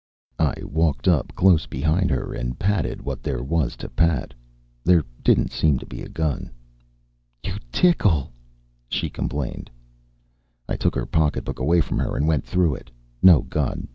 I walked up close behind her and patted what there was to pat. There didn't seem to be a gun. "You tickle," she complained. I took her pocketbook away from her and went through it. No gun.